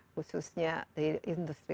khususnya di industri